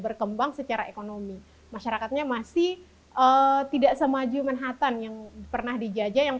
berkembang secara ekonomi masyarakatnya masih tidak semaju manhattan yang pernah dijajah yang